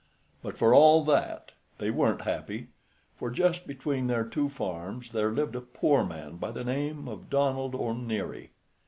But for all that they weren't happy, for just between their two farms there lived a poor man by the name of Donald O'Neary.